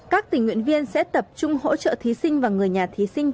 các tình nguyện viên sẽ tập trung hỗ trợ thí sinh và người nhà thí sinh